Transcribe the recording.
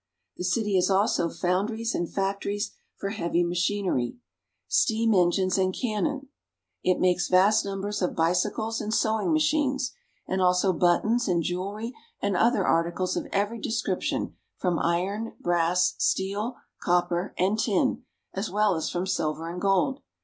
The city has also foundries and factories for heavy machinery, steam engines, 62 ENGLAND. and cannon ; it makes vast numbers of bicycles and sewing machines, and also buttons and jewelry and other articles of every description from iron, brass, steel, copper, and tin, as well as from silver and gold.